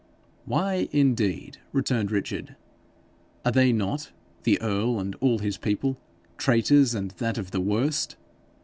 'Why indeed?' returned Richard. 'Are they not, the earl and all his people, traitors, and that of the worst?